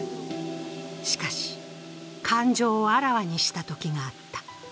しかし、感情をあらわにしたときがあった。